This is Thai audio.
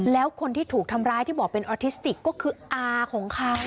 แล้วคนที่ถูกทำร้ายที่บอกเป็นออทิสติกก็คืออาของเขา